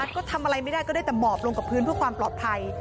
ก็ทำอะไรไม่ได้ก็ได้แต่หมอบลงกับพื้นเพื่อความปลอดภัย